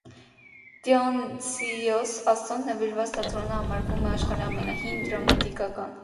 Դիոնիսոս աստծոն նվիրված թատրոնը համարվում է աշխարհի ամենահին դրամատիկական կառույցներից մեկը։